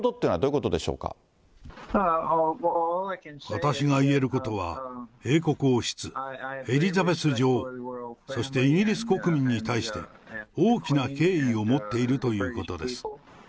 私が言えることは、英国王室、エリザベス女王、そしてイギリス国民に対して、大きな敬意を持っているということです。